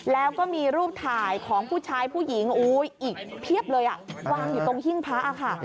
แล้วก็มีรูปถ่ายของผู้ชายผู้หญิงอีกเพียบเลยวางอยู่ตรงหิ้งพระค่ะ